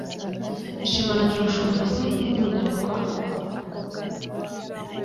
ishimangira ubushobozi bw abanyamurya